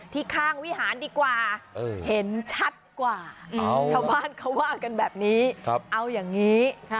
ข้างวิหารดีกว่าเห็นชัดกว่าชาวบ้านเขาว่ากันแบบนี้เอาอย่างนี้